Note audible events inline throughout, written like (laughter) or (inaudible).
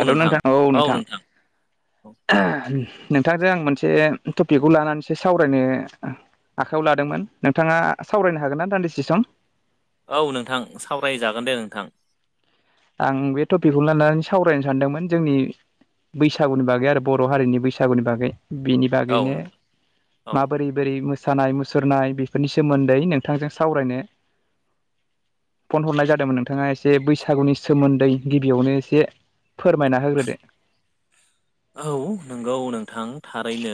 हाल'' नोंथां औ नोंथां नोंथांजों आं मोनसे टपिकखौ लानानैसो सावरायनो आखाइयाव लादोंमोन नोंथाङा सावरायनो हागोन ना दान्दिसि सम? औ नोंथां सावरायजागोन दे नोंथां। आं बे टपिकखौनो लानानै सावरायनो सानदोंमोन जोंनि बैसागुनि बागै आरो बर' हारिनि बैसागुनि बागै बिनि औ बागैनो नोंथां औ माबोरै बोरै मोस सानाय मुसुरनाय बेफोरनि सोमोन्दै नोंथांजों सावरायनो फन हरनाय जादोंमोन नोंथाङा एसे बैसागुनि सोमोन्दै गिबियावनो एसे फोरमायना होग्रोदो। औ नंगौ नोंथां थारैनो।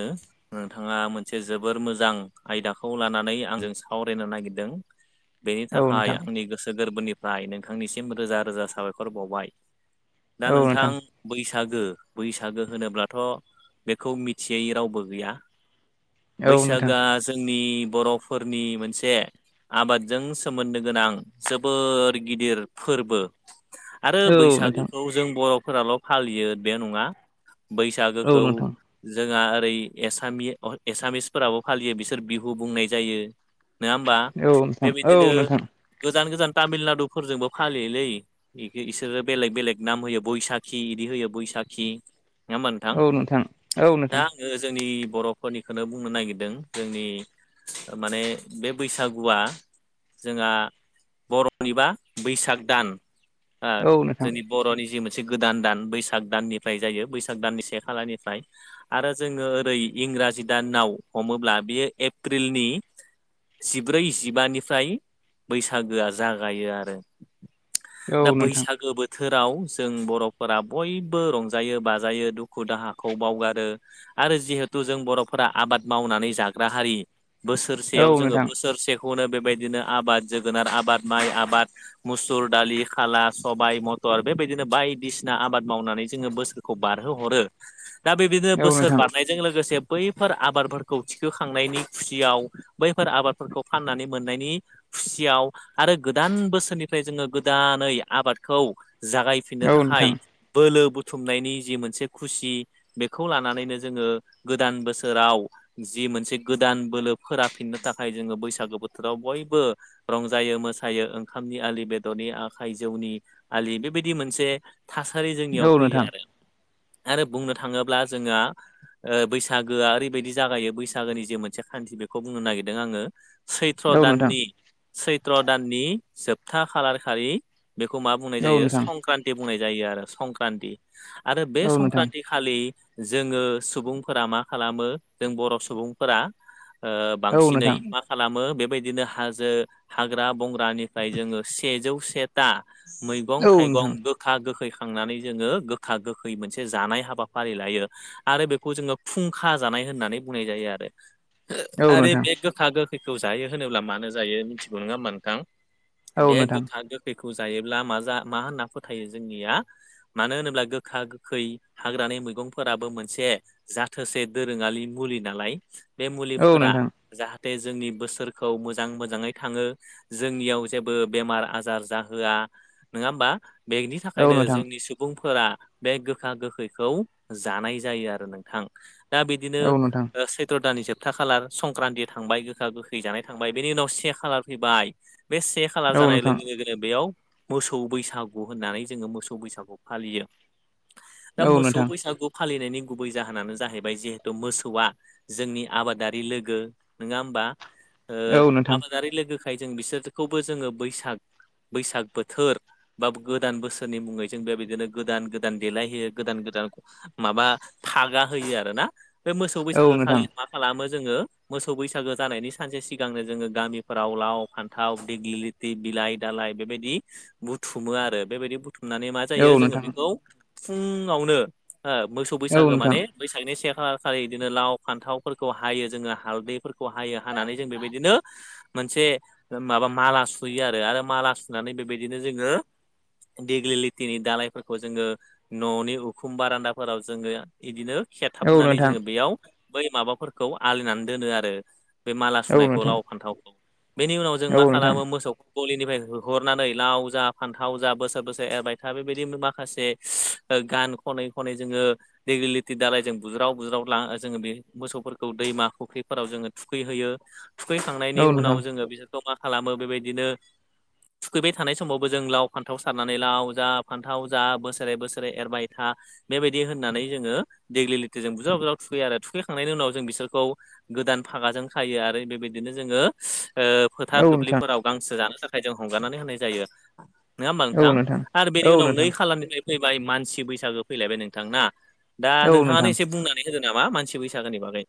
नोंथाङा मोनसे जोबोर मोजां आयदाखौ लानानै आंजों सावरायनो नागिरदों। (inaudible) बेनि औ थाखाय नोंथां आंनि गोसो गोरबोनिफ्राय नोंथांनिसिम रोजा रोजा साबायखर बावबाय। दा नोंथां बैसागो बैसागो होनोब्लाथ' बेखौ मिथियै रावबो गैया औ नोंथां बैसागोआ जोंनि बर'फोरनि मोनसे आबादजों सोमोन्दो गोनां जोबोर गिदिर फोरबो। आरो औ नोंथां बैसागोखौ जों बर'फोराल' फालियो बे नङा। औ बैसागोखौ नोंथां जोंहा ओरै एसामि-एसामिसफोराबो फालियो बिसोर बिहु बुंनाय जायो। नङा होमबा औ नोंथां औ बेबायदिनो नोंथां गोजान गोजान तामिलनाडुफोरजोंबो फालियोलै। इ-इ इसोरो बेलेग बेलेग नाम होयो बैसाखि बिदि होयो बैसाखि। नङा होमबा नोंथां? औ औ नोंथां दा जोंनि बर'फोरनिखौनो बुंनो नागिरदों जोंनि माने बे बैसागुआ जोंहा बर'निबा बैसाग दान। ओ औ नोंथां जोंनि बर'नि जि मोनसे गोदान दान बैसाग दाननिफ्राय जायो बैसा साग दाननि से खालारनिफ्राय। आरो जोङो ओरै इंराजि दानाव हमोब्ला बेयो एप्रिलनि जिब्रै जिबानिफ्राय बैसागोआ जागायो आरो। औ दा नोंथां बैसागो बोथोराव जों बर'फोरा बयबो रंजायो बा जायो दुखु दाहाखौ बावगारो। आरो जिहेथु जों बर'फोरा आबाद मावनानै जाग्रा हारि औ बोसोरसेयाव जोङो नोंथां बोसोरसेखौनो बेबायदिनो आबाद जोगोनार आबाद माइ आबाद मुसुर दालि खाला सबाय मथर बेबायदिनो बायदिसिना आबाद मावनानै जोङो बोसोर बारहो हरो। दा बेबायदिनो औ बोसोर नोंथां बारनाय जों लोगोसे बैफोर आबादफोरखौ थिखोखांनायनि खुसियाव बैफोर आबादफोरखौ फाननानै मोननायनि खुसियाव। आरो गोदान बोसोरनिफ्राय जोङो गोदानै आबादखौ जागाय फिननो औ थाखाय नोंथां बोलो बुथुमनायनि जि मोनसे खुसि बेखौ लानानैनो जोङो गोदान बोसोराव जि मोनसे गोदान बोलो फोराफिननो थाखाय जोङो बैसागो बोथोराव बयबो रंजायो मोसायो ओंखामनि आलि बेदरनि आखाइ जौनि आलि बे बायदि मोनसे थासारि जोंनियाव औ फैयो नोंथां आरो आरो बुंनो थाङोब्ला जोङो बैसागोआ ओरैबायदि जागायो बैसागोनि जे मोनसे खान्थि बेखौ बुंनो नागिरदों आङो सैत्र दाननि सैथ्र दाननि जोबथा खालार खालि बेखौ मा बुंनाय औ नोंथां औ जायो नोंथां संक्रान्ति बुंनाय जायो आरो। संक्रान्ति आरो बे औ नोंथां संक्रान्ति खालि जोङो सुबुंफोरा मा खालामो जों बर' सुबुंफोरा औ नोंथां औ बांसिनै नोंथां मा खालामो बे बायदिनो हाजो हाग्रा बंग्रानिफ्राय जोङो सेजौ सेथा मैगं थाइगं गोखा गोखैखांनानै जोङो गोखा गोखै मोनसे जानाय हाबाफारि लायो। आरो बेखौ जोङो फुंखा जानाय होननानै बुंनाय जायो आरो। औ आरो नोंथां बे गोखा गोखैखौ जायो होनोब्ला मानो जायो मिथिगौ नङा हा नोंथां। औ बे नोंथां गोथ गोखैखौ जायोब्ला म मा होनना फोथायो जोंनिया मानो होनोब्ला गोखा गोखै हाग्रानि मैगंफोराबो मोनसे जाथोसे दोरोङारि मुलि नालाय बे औ नोंथां मुलिफोरा जाहाथे जोंनि बोसोरखौ मोजां मोजाङै थाङो जोंनियाव जेबो बेमार आजार जाहोआ नङा होमबा। बेनि औ नोंथां औ थाखायनो नोंथां जोंनि सुबुंफोरा बे गोखा गोखैखौ जानाय जायो आरो नोंथां। दा बिदिनो औ नोंथां औ नोंथां औ नोंथां औ नोंथां औ नोंथां औ नोंथां औ नोंथां औ नोंथां सैथ्र' दान जोब खथा खालार संक्रान्ति थांबाय गोखा गोखै जानाय थांबाय बेनि उनाव से खालार फैबाय। बे से खालार जानाय लोगो लोगोनो बेयाव मोसौ बैसागु होननानै जोङो मोसौ बैसागु फालियो। दा मोसौ बैसागु फालिनायनि गुबै जाहोनानो जाहैबाय जिहेथु मोसौआ जोंनि आबादारि लोगो नङा होमबा। औ नोंथां। जनानै लोगोखाय जों बिसोरखौबो जोङो बैसाग बैसाग बोथोर बा गोदान बोसोरनि मुङै जों बे बिदिनो गोदान गोदान गोदान देलायहोयो गोदान गोदान माबा थागा होयो आरोना। बे मोसौ बैसागो खालि मा खालामो जोङो मोसौ बैसागो जानायनि सानसे सिगांनो जोङो गामिफोराव लाव फान्थाव दिग्लि बिलाइ दालाय बेबायदि बुथुमो आरो। बे बायदि बुथुमनानै मा जायो जोङो बेखौ फुङावनो मोसौ बैसागो माने बैसागनि से खालार खाारि बिदिनो लाव फान्थावफोरखौ हायो जोङो हालदैफोरखौ हायो हानानै जों बे बायदिनो मोनसे माबा माला सुयो आरो आरो माला सुनानै बे बायदिनो जोङो देग्लिलिटिनि दालायफोरखौ जोङो न'नि उखुमबा रान्दाफोराव जोङो इदिनो औ नोंथां औ नोंथां औ नोंथां खेथाबनानै जोङो बेयाव बै माबाफोरखौ आलिनानै दोनो आरो बे माला औ नोंथां औ सुनायखौ नोंथां लाबव फान्थावखौ बेनि उनाव जों मा खालामो मोसौ गलिनिफ्राय होहरनानै लाव जा फान्थाव जा बोसोर बोसोर एरबाय था बेबायदि माखासे ओ गान खनै खनै जोङो दिगलिलिटि दालाइजों बुज्राव बुज्राव ला-जोङो बे मोसौफोरखौ दैमा फुख्रिफोराव जोङो थुखैहोयो थुखैखांनायनि उनाव जोङो बिसोर जमा खालामो बेबायदिनो थुखैबाय थानाय समावबो जों लाव फान्थाव सारनानै लाव जा फान्थाव जा बोसोर बोसोरे बोसोरे एरबाय था बेबायदि होननानै जोङो देग्लिलिथिजों बुज्राव बुज्राव थुखैयो आरो थुखैखांनायनि उनाव जों बिसोरखौ गोदान फागाजों खायो आरो बेबायदिनो जोङो ओ फोथार दुब्लिफोराव गांसो जानो थाखाय जों हगारनानै होनाय जायो। नोङा होमबा नोंथां? आरो बेनि उनाव नै खालारनिफ्राय फैबाय मानसि बैसागो फैलायबाय नोंथां ना? दा औ नोंथाङानो नोंथां एसे बुंनानै होदो नामा मानसि बैसागोनि बागै।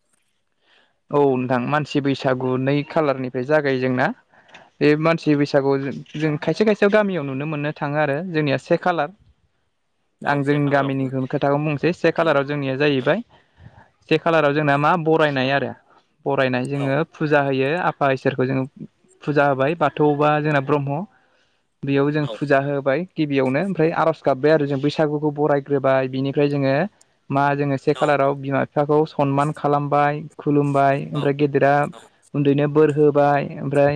औ नोंथां मानसि बैसागु नै खालारनिफ्राय जागायो जोंना। बे मानसि बैसागु जों खायसे खायसेयाव गामियाव नुनो मोननो थाङो आरो जोंनिया से खालार आं औ से जोंनि खालाराव उम गामिनिखौ खोथाखौनो बुंनोसै से उम खालाराव जोंनिया जाहैबाय सेे औ खालाराव जोंना मा बरायनाय आरो बरायनाय औ जोङो फुजा होयो। बा इसोरखौ जोङो फुजा होबाय बाथौ बा जोंना ब्रह्म। बेयाव जों औ फुजा होबाय। गिबियावनो ओमफ्राय आर'ज गाबबाय आरो जों बैसागुखौ बरायग्रोबाय बिनिफ्राय जोङो मा जोङो से खालाराव बिमा बिफाखौ सनमान खालामबाय। खुलुमबाय औ ओमफ्राय गेदेरा उन्दैनो बोर होबाय। ओमफ्राय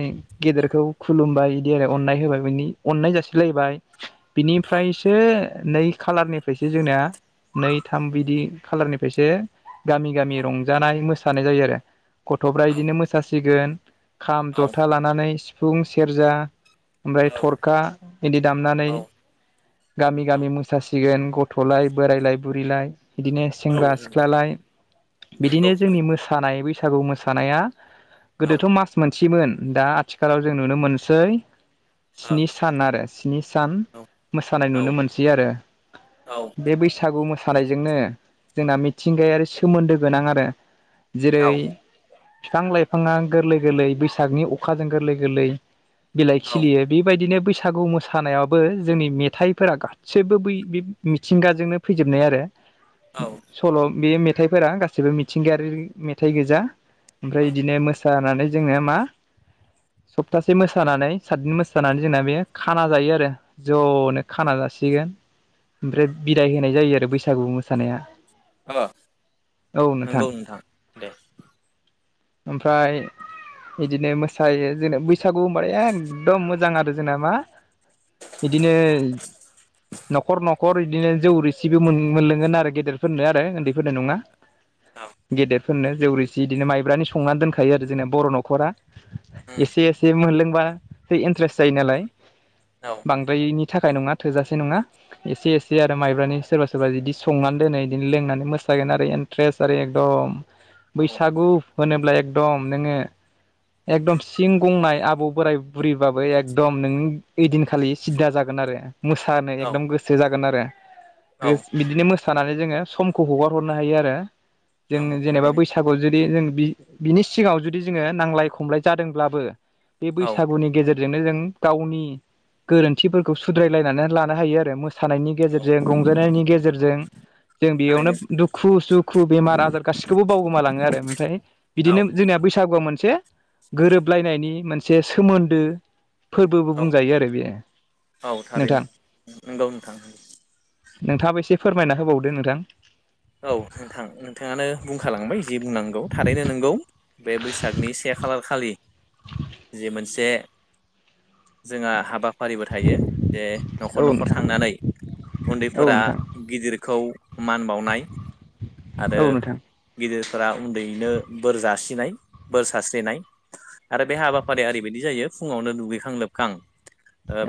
औ गेदेरखौ खुलुमबाय बिदि आरो अननाय होबाय बि अननाय जासिलायबाय। बिनिफ्रायसो नै खालारनिफ्रायसो जोंना नै थाम बिदि खालारनिफ्रायसो गामि गामि रंजानाय मोस थानाय जायो गथ'फ्रा औ इदिनो मोसासिगोन खाम औ जथा लान नानै सिफुं सेरजा औ ओमफ्राय थरखा इदि दामनानै औ गामि गामि मोसास सिगोन गथ'लाय बोरायलाय बुरिलाय बिदिनो औ सेंग्रा नंगौ सिख्लालाय नंगौ बिदिनो जोंनि थारैनो मोसानाय बैसागु मोसानाया औ गोदोथ' मास मोनसेमोन दा आथिखालाव जों नुनो मोनसै औ स्नि सान आरो स्नि सान मोसानाय औ नुनो मोनसै आरो। बे बैसागु मोसानायजोंनो जोंना मिथिंगायारि सोमोन्दो गोनां आरो। औ जेरै बिफां लाइफाङा गोरलै गोरलै बैसागनि अखाजों गोरलै गोरलै बिलाइ खिलियो बेबायदिनो बैसागु मोसानायावबो जोंनि मेथाइफोरा गा सिबो बै बे मिथिंगाजोंनो फैजोबनाय आरो। औ सल' बे मेथाइफोरा गासैबो मिथिंगायारि मेथाइ गोजा ओमफ्राय बिदिनो मो नानै जोङो मा सप्तासे मोसानानै सातदिन मोसानानै जोंना बे खाना जायो आरो। ज'नो खाना जासिगोन। ओमफ्राय बिदाय होनाय जायो आरो बैसागु मोसानाया। अ नंगौ नोंथां दे। ओमफ्राय इदिनो मोसायो जों बैसागु होनबाथाय एखदम मोजां आरो जोंना मा इदिनो न'खर न'खर इदिनो जौ रोसिबो मोनलोंगोन आरो गेदेरफोरनो आरो उन्दैफोरनो नङा। औ गेदेरफोरनो जौ रोसि इदिनो माइब्रानि संनानै दोनखायो आरो जोंना बर' न'खरा। उम एसे एसे मोनलोंबा सो इन्ट्रेस्ट जायो नालाय। औ बांद्रायनि थाखाय नङा थोजासे नङा एसे एसे औ आरो माइब्रानि सोरबा सोरबा बिदि संनानै दोनो बिदिनो लोंनानै मोसागोन आरो इन्ट्रेस्ट आरो एकदम औ बैसागु होनोब्ला एकदम नोङो एकदम सिं गंनाय आबौ बोराइ बुरिबाबो एकदम नों ओइदिनखालि सिददा जागोन आरो। मोसानो एकदम गोसो जागोन आरो। औ बिदिनो मोसानानै जोङो समखौ हगार हरनो हायो आरो जों औ जेनेबा थारैनो बैसागु जुदि जों बि बिनि सिगाङाव जुदि जोङो नांलाय खमलाय जादोंब्लाबो बे औ बैसागुनि गेजेरजोंनो जों गावनि गोरोन्थिफोरखौ सुद्रायलायनानै लानो हायो आरो मोसानायनि गेजेरजों रंजानायनि गेजेरजों जों बेयावनो थारैनो दुखु सुखु बेमार आजार गासिखौबो बावगोमालाङो आरो ओमफ्राय औ बिदिनो जोंनिया बैसागुआव मोनसे गोरोबलायनायनि मोनसे सोमोन्दो फोरबोबो बुंजायो आरो बेयो। औ थारैनो नोंथां नोंगौ नोंथां नोंथाङाबो एसे फोरमायना होबावदो नोंथां औ नोंथां नोंथाङानो बुंखालांबाय जि बुंनांगौ थारैनो नोंगौ बे बैसागनि से खालार खालि जि मोनसे जोंहा हाबा फारिबो थायो जे औ न'खर न'खर नोंथां थांनानै औ उन्दैफोरा नोंथां गिदिरखौ मान बावनाय आरो औ नोंथां गिदिरफोरा उन्दैनो बोर जासिनाय बोर सारस्रिनाय आरो बे हाबाफारिया ओरैबायदि जायो फुङावनो दुगैखां लोबखां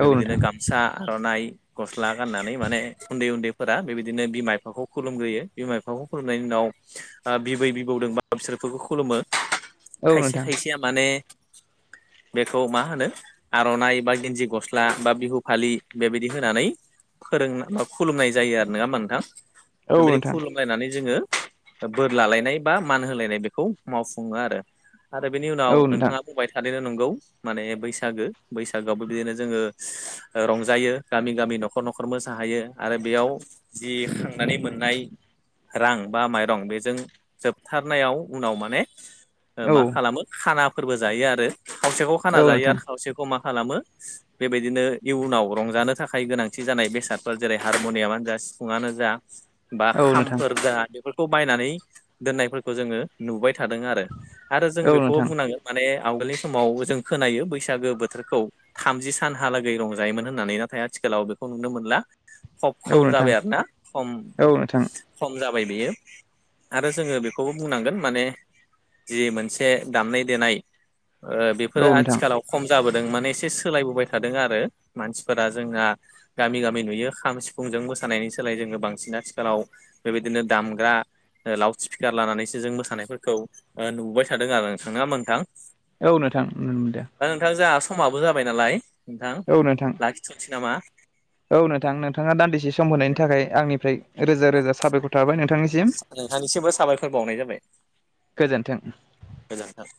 औ बेबायदिनो नोंथां गाम सा आर'नाइ गस्ला गाननानै माने उन्दै उन्दैफोरा बेबायदिनो बिमा बिफाखौ खुलुमग्रोयो। बिमा बिफाखौ खुलुमनायनि उनाव बिबै बिबौदों बा बिसोरफोरखौ खुलुमो। औ खायसे नोंथां खायसेया माने बेखौ मा होनो आर'नाइ बा गेन्जि गस्ला बा बिहु फालि बेबायदि होनानै फोरों मा खुलुमनाय जायो आरो नङा होमबा नोंथां? औ नोंथां रालायनानै जोङो बोर लालायनाय बा मान होलायनाय बेखौ मावफुङो आरो। आरो बेनि उनाव औ नोंथां नोंथाङा बुंबाय थादैनो नंगौ माने बैसागो बैसागोआवबो बिदिनो जोङो रंजायो गामि गामि न'खर न'खर न'खर मोसाहायो आरो बेयाव जि खांनानै मोननाय रां बा माइरं बेजों जोबथारनायाव उनाव माने औ मा खालामो खानाफोरबो जायो आरो खावसेखौ खाना औ जायो नोंथां आरो खावसेखौ मा खालामो बेबायदिनो इयुनाव रंजानो थाखाय गोनांथि जानाय बेसादफोर जेरै हारम'नियामानो जा सिफुङानो जा बा औ नोंथां खामफोर जा बेफोरखौ बायनानै दोननायफोरखौ जोङो नुबाय थादों आरो आरो जों औ बेखौबो नोंथां बुंनांगोन माने आवगोलनि समाव जों खोनायो बैसागो बोथोरखौ थामजि सानहालागै रंजायोमोन होननानै नाथाय आथिखालाव बेखौ नुनो मोनला। खब औ खम नोंथां जाबाय आरोना खम औ नोंथां खम जाबाय बेयो। आरो जोङो बेखौबो बुंनांगोन माने जि मोनसे दामनाय देनाय ओ औ बेफोरो नोंथां आथिखालाव खम जाबोदों माने एसे सोलायबोबाय थादों आरो मानसिफोरा जोंहा गामि गामि नुयो खाम सिफुंजों मोसानायनि सोलाय जोङो बांसिन आथिखालाव बेबायदिनो दामग्रा लाउड स्पिकार लानानैसो जों मोसानायफोरखौ नुबाय थादों आरो नोंथां नङामा नोंथां औ नोंथां मम दो दा नोंथां जोंहा समाबो जाबाय नालाय नोंथां औ नोंथां लाखिथ'नोसै नामा? औ नोंथां नोंथाङा दान्दिसे सम होनायनि थाखाय आंनिफ्राय रोजा रोजा साबायखर थाबाय नोंथांनिसिम। नोंथांनिसिमबो साबायखर बावनाय जाबाय गोजोन्थों गोजोनथों।